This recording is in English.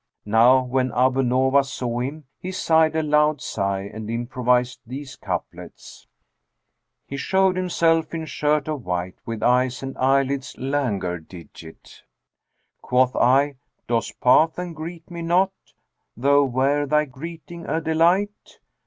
Now when Abu Nowas saw him, he sighed a loud sigh and improvised these couplets, "He showed himself in shirt of white, * With eyes and eyelids languor digit. Quoth I, 'Doss pass and greet me not? * Though were thy greeting a delight?